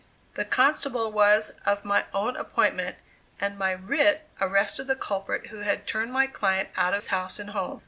The constable was of my own appointment, and my "writ" arrested the culprit who had turned my client out of house and home.